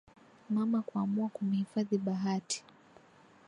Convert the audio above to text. Mama kuamua kumhifadhi bahati.